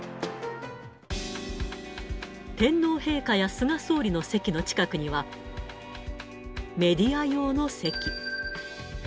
天皇陛下や菅総理の席の近くには、メディア用の席。